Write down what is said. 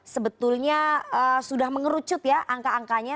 sebetulnya sudah mengerucut ya angka angkanya